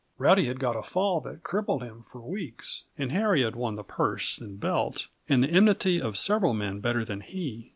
Rowdy had got a fall that crippled him for weeks, and Harry had won the purse and belt and the enmity of several men better than he.